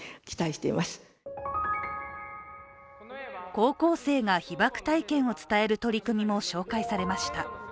高校生が被爆体験を伝える取り組みも紹介されました。